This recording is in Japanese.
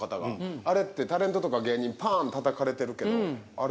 「あれってタレントとか芸人パーン叩かれてるけどあれ」。